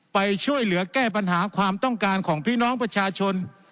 ไปช่วยเหลือแก้ปัญหาความต้องการของพี่น้องประชาชน